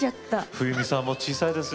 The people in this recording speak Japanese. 冬美さんも小さいですよ。